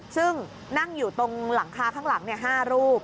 ซึ่งนั่งอยู่ตรงหลังคาข้างหลัง๕รูป